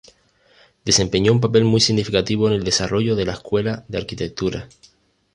Desempeñó un papel muy significativo en el desarrollo de la escuela de arquitectura.